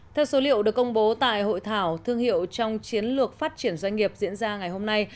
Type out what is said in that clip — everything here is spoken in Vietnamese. theo số liệu được công bố tại hội thảo thương hiệu trong chiến lược phát triển doanh nghiệp diễn ra ngày hôm nay